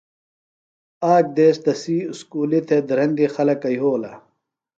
آ ک دیس تسی اُسکُلیۡ تھےۡ دھرندی خلکہ یھولہ۔